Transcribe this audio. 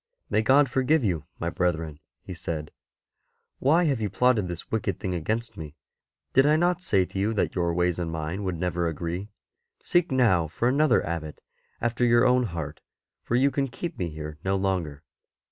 May God forgive you, my brethren," he said; " why have you plotted this wicked thing against me ? Did I not say to you that your ways and mine would never agree ? Seek now for another Abbot after your own heart, for you can keep me here no longer."